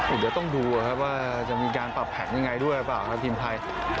เดี๋ยวต้องดูนะครับว่าจะมีการปรับแผนยังไงด้วยหรือเปล่าครับทีมไทย